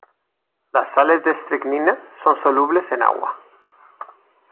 Las sales de estricnina son solubles en agua.